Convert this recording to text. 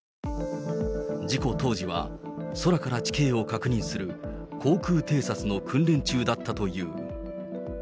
事故当時は、空から地形を確認する航空偵察の訓練中だったという。